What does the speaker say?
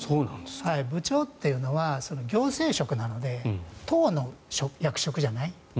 部長っていうのは行政職なので党の役職じゃない。